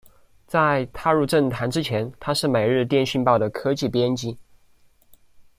在踏入政坛之前他是每日电讯报的科技编辑。